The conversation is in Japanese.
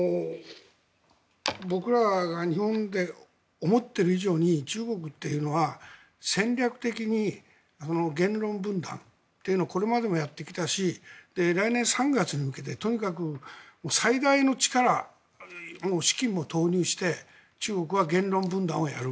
僕らが日本で思っている以上に中国っていうのは戦略的に言論分断というのをこれまでもやってきたし来年３月に向けてとにかく最大の力も資金も投入して中国は言論分断をやる。